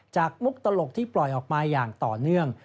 มุกตลกที่ปล่อยออกมาอย่างต่อเนื่อง